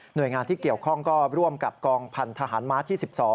โดยงานที่เกี่ยวข้องก็ร่วมกับกองพันธหารม้าที่๑๒